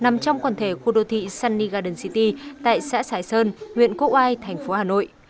nằm trong quần thể khu đô thị sunny garden city tại xã sài sơn nguyện cô ai thành phố hà nội